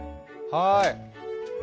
はい。